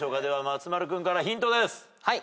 では松丸君からヒントです。